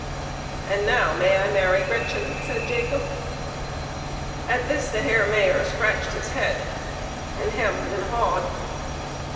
" And now may I marry Gretchen ?" said Jacob. At this the Herr Mayor scratched his head, and hemmed and hawed.